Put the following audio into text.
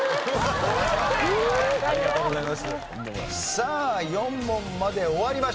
さあ４問まで終わりました。